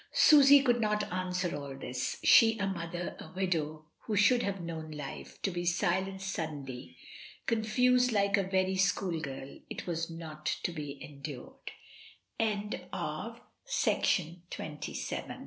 Susy could not answer all this. She, a mother, a widow who should have known life, to be silenced suddenly, confused like a very school girl, it was not to be endur